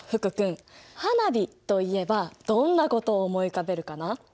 花火といえばどんなことを思い浮かべるかな？